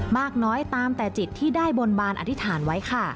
มากน้อยตามแต่จิตที่ได้บนบานอธิษฐานไว้ค่ะ